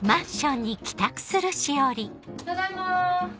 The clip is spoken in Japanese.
ただいま。